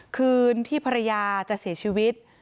คืนที่ภรรยาจะเสียชีวิต